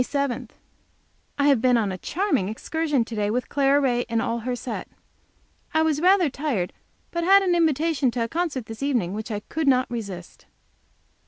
MAY 7. I have been on a charming excursion to day with Clara Ray and all her set. I was rather tired, but had an invitation to a concert this evening which I could not resist.